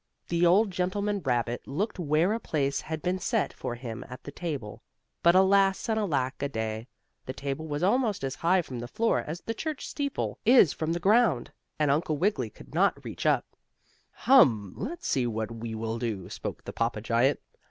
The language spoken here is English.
The old gentleman rabbit looked where a place had been set for him at the table, but alas and alack a day, the table was almost as high from the floor as the church steeple is from the ground, and Uncle Wiggily could not reach up to it. "Hum, let's see what we will do," spoke the papa giant.